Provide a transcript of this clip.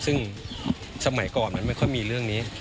ซึ่งสมัยก่อนมันไม่ค่อยมีเรื่องนี้